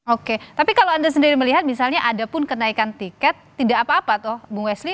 oke tapi kalau anda sendiri melihat misalnya ada pun kenaikan tiket tidak apa apa tuh bung wesli